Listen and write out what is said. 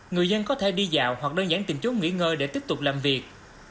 người dân có thể đi dạo hoặc đơn giản tìm chỗ nghỉ ngơi để tiếp tục làm việc